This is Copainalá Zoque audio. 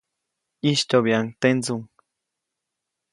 ʼYistyoʼbyaʼuŋ tendsuŋ.